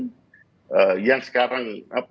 dan perjalanan perjalanan di dalam pelaksanaan pemilu kemarin